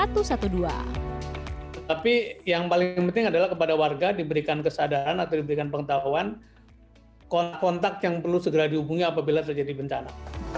tapi yang paling penting adalah kepada warga diberikan kesadaran atau diberikan pengetahuan kontak yang perlu segera dihubungi apabila terjadi bencana